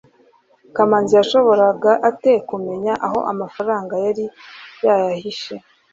kamanzi yashoboraga ate kumenya aho amafaranga yari yihishe